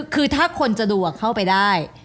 คือถ้าคนจะดูเข้าไปได้